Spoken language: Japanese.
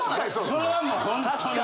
それはもうホントに思う。